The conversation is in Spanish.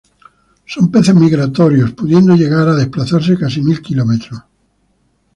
Son peces migratorios, pudiendo llegar a desplazarse casi mil kilómetros.